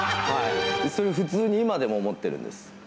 普通に今でも思ってるんです。